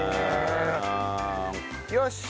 よし。